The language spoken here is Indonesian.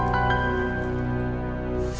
aku mau pergi ke rumah